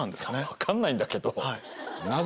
分かんないんだけど。